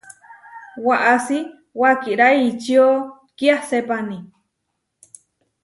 Waʼási wakirá ičió kiasépani.